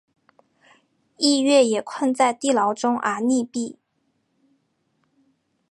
逸悦也困在地牢中而溺毙。